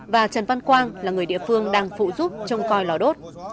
và trần văn quang là người địa phương đang phụ giúp trông coi lò đốt